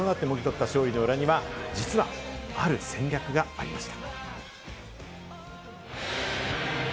日本代表がチーム一丸となって、もぎ取った勝利の裏には、実は、ある戦略がありました。